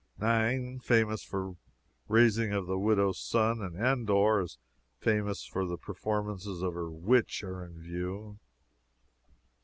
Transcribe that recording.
Nain, famous for the raising of the widow's son, and Endor, as famous for the performances of her witch are in view.